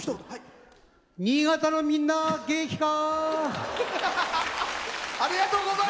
新潟のみんな、元気か！